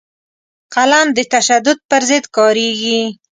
قلم د تشدد پر ضد کارېږي